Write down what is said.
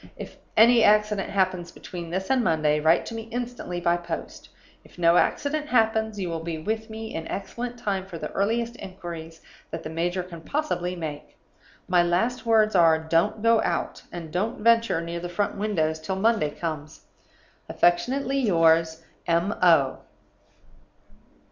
If any accident happens between this and Monday, write to me instantly by post. If no accident happens you will be with me in excellent time for the earliest inquiries that the major can possibly make. My last words are, don't go out, and don't venture near the front windows till Monday comes. "Affectionately yours, "M. O."